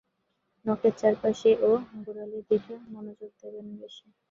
নখের চারপাশে ও গোড়ালির দিকে মনোযোগ দেবেন বেশি।